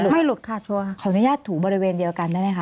ไม่หลุดค่ะทัวร์ขออนุญาตถูบริเวณเดียวกันได้ไหมคะ